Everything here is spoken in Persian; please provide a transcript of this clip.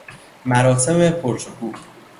مراسم پر شکوه